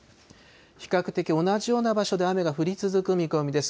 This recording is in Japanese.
比較的同じような場所で雨が降り続く見込みです。